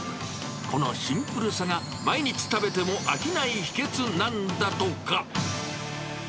このシンプルさが、毎日食べても飽きない秘けつなんだとか。